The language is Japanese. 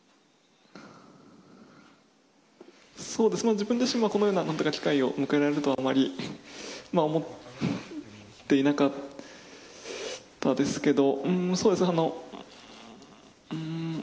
自分自身このような機会を迎えられるとはあまり思っていなかったですけど。